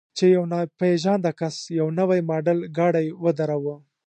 چې یو ناپېژانده کس یو نوی ماډل ګاډی ودراوه.